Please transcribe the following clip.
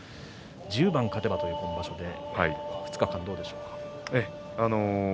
１０番勝てばという今場所で２日間、どうでしょう。